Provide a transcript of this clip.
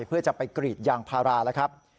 เพื่อจะไปกรีดยางพาราแล้วครับ